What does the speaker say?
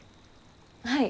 はい？